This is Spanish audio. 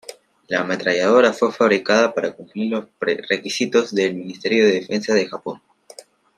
La ametralladora fue fabricada para cumplir los requisitos del Ministerio de Defensa de Japón.